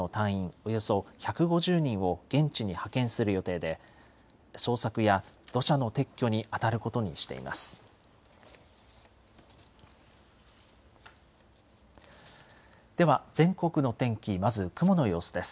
およそ１５０人を現地に派遣する予定で、捜索や土砂の撤去に当たることにしています。